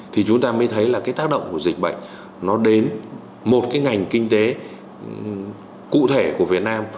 thì chúng ta mới thấy là cái tác động của dịch bệnh nó đến một cái ngành kinh tế cụ thể của việt nam